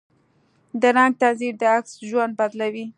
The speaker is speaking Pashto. د رنګ تنظیم د عکس ژوند بدلوي.